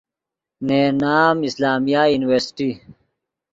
نے ین نام اسلامیہ یورنیورسٹی